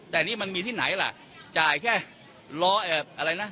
แต่นี่มันมีที่ไหนล่ะจ่ายแค่รออะไรนะ